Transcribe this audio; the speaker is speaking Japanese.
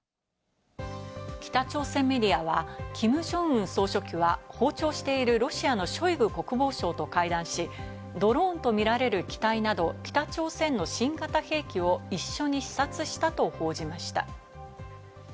北朝鮮メディアは、キム・ジョンウン総書記は訪朝しているロシアのショイグ国防相と会談し、ドローンとみられる機体など、北朝鮮の新型兵器を一緒に視察したと報じました。